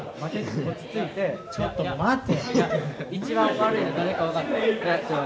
ちょっと待て。